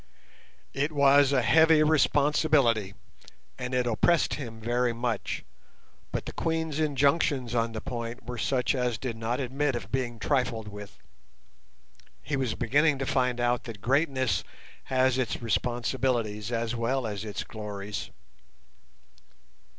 It was a heavy responsibility, and it oppressed him very much, but the Queen's injunctions on the point were such as did not admit of being trifled with. He was beginning to find out that greatness has its responsibilities as well as its glories.